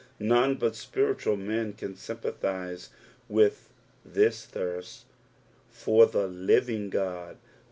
Hone but Bpiritual men can sjmpalhiscwitli this thirat. " For the living Ood.'"